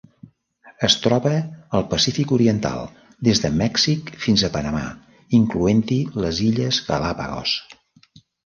Es troba al Pacífic oriental: des de Mèxic fins a Panamà, incloent-hi les illes Galápagos.